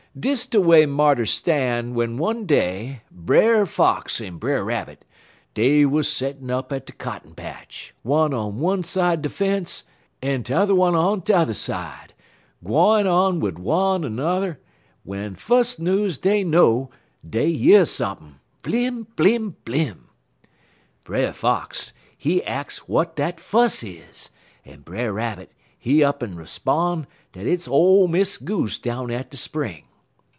"Dis de way marters stan' w'en one day Brer Fox en Brer Rabbit, dey wuz settin' up at de cotton patch, one on one side de fence, en t'er one on t'er side, gwine on wid one er n'er, w'en fus' news dey know, dey year sump'n blim, blim, blim! "Brer Fox, he ax w'at dat fuss is, en Brer Rabbit, he up'n 'spon' dat it's ole Miss Goose down at de spring.